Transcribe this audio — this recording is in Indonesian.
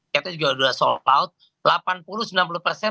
katanya juga udah sold out